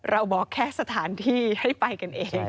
บอกแค่สถานที่ให้ไปกันเอง